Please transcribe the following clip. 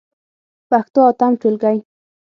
پښتو اتم ټولګی.